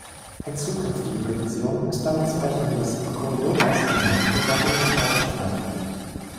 In zukünftigen Revisionen ist damit zu rechnen, dass "Corydoras" in mehrere Gattungen aufgespalten wird.